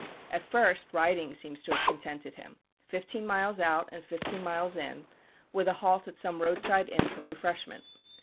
At first riding seems to have contented him fifteen miles out and fifteen miles in, with a halt at some road side inn for refreshment.